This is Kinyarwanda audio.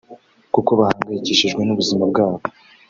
kuko bahangayikishijwe n’ubuzima bwabo